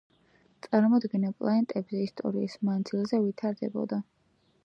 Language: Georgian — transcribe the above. წარმოდგენა პლანეტებზე ისტორიის მანძილზე ვითარდებოდა